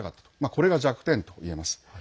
これが弱点といえます。